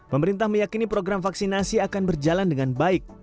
pemerintah meyakini program vaksinasi akan berjalan dengan baik